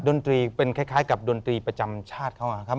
ดนตรีเป็นคล้ายกับดนตรีประจำชาติเขานะครับ